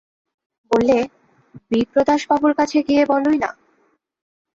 বললে, বিপ্রদাসবাবুর কাছে গিয়ে বলোই-না।